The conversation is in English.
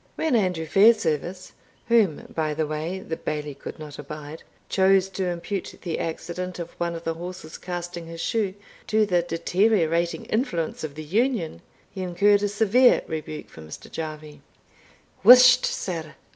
When Andrew Fairservice (whom, by the way, the Bailie could not abide) chose to impute the accident of one of the horses casting his shoe to the deteriorating influence of the Union, he incurred a severe rebuke from Mr. Jarvie. "Whisht, sir!